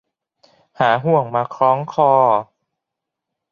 หาห่วงมาคล้องคอ